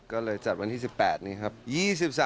ก็เลยจัดวันที่๑๘นี้ครับ